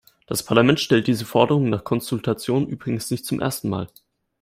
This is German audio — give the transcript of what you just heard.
Das Parlament stellt diese Forderung nach Konsultation übrigens nicht zum ersten Mal.